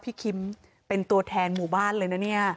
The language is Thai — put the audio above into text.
คิมเป็นตัวแทนหมู่บ้านเลยนะเนี่ย